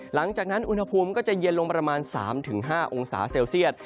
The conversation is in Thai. หลังจากนั้นอุณหภูมิก็จะเย็นลงประมาณ๓๕องศาเซลเซียต